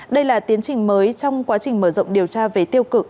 đây là tiến trình mới trong quá trình mở rộng điều tra về tiêu cực